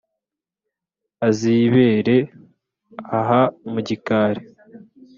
Azibere aha mu gikari